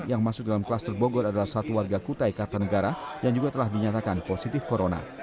yang masuk dalam kluster bogor adalah satu warga kutai kartanegara yang juga telah dinyatakan positif corona